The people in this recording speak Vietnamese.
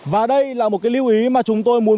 và đây là một cái lưu ý mà chúng tôi muốn